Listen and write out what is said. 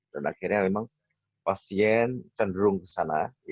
dan akhirnya memang pasien cenderung ke sana